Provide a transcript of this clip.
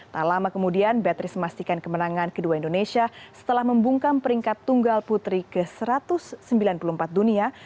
tak lama kemudian beatrice memastikan kemenangan kedua indonesia setelah membungkam peringkat tunggal putri ke satu ratus sembilan puluh empat dunia